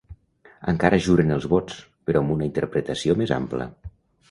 Encara es juren els vots, però amb una interpretació més ampla.